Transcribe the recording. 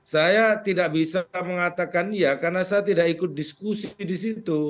saya tidak bisa mengatakan iya karena saya tidak ikut diskusi di situ